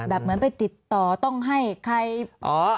แบบเหมือนไปติดต่อต้องให้ใครอ่านอะไร